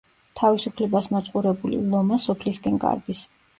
თავისუფლებას მოწყურებული ლომა სოფლისკენ გარბის.